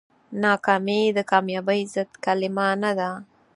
ناکامي د کامیابۍ ضد کلمه نه ده.